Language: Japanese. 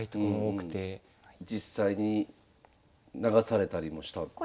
実際に流されたりもしたんですか？